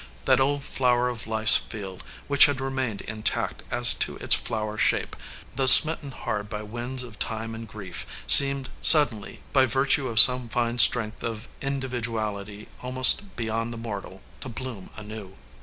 That old flower of life s field which had remained intact as to its flower shape, though smitten hard by winds of time and grief, seemed suddenly, by virtue of some fine strength of individuality almost beyond the mortal, to bloom anew.